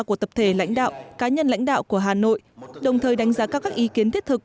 của tập thể lãnh đạo cá nhân lãnh đạo của hà nội đồng thời đánh giá cao các ý kiến thiết thực